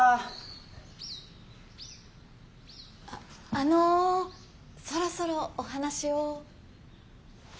あのそろそろお話を。